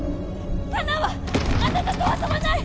可奈はあなたとは遊ばない。